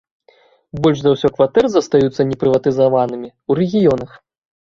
Больш за ўсё кватэр застаюцца непрыватызаванымі ў рэгіёнах.